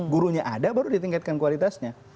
gurunya ada baru ditingkatkan kualitasnya